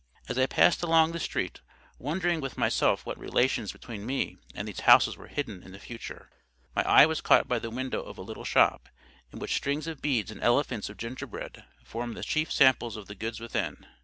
As I passed along the street, wondering with myself what relations between me and these houses were hidden in the future, my eye was caught by the window of a little shop, in which strings of beads and elephants of gingerbread formed the chief samples of the goods within.